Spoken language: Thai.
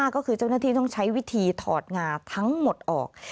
ก็คือเจ้าหน้าที่ต้องใช้วิธีถอดงาทั้งหมดออก